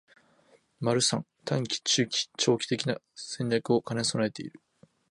③ 短期、中期、長期的な戦略を兼ね備えている